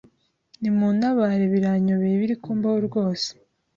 Nimuntabare biranyobeye ibiri kumbaho rwose